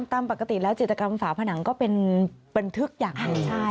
ตามปกติแล้วจิตกรรมฝาผนังก็เป็นบันทึกอย่างหนึ่ง